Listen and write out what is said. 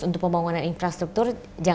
untuk pembangunan infrastruktur